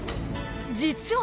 ［実は］